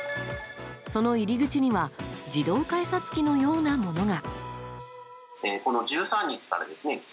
その入り口には自動改札機のようなものが。